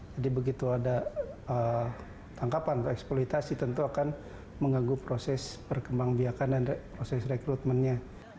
jadi begitu ada tangkapan atau eksploitasi tentu akan mengganggu proses perkembang biakan dan proses rekrutmennya